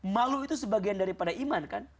malu itu sebagian daripada iman kan